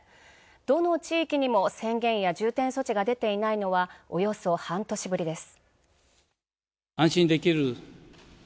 どの地域にも宣言や重点措置が出ていないのはおよそ半年振りです。